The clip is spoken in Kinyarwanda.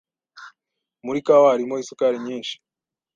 Muri kawa harimo isukari nyinshi.